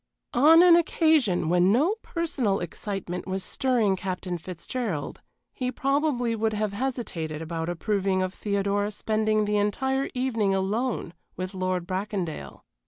On an occasion when no personal excitement was stirring Captain Fitzgerald he probably would have hesitated about approving of Theodora spending the entire evening alone with Lord Bracondale.